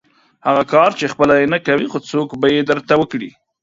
هغه کار چې خپله یې نه کوئ، څوک به یې درته وکړي؟